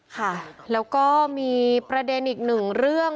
ค่ะแล้วก็มีประเด็นอีกหนึ่งเรื่อง